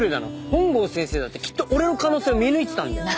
本郷先生だってきっと俺の可能性を見抜いてたんだよ。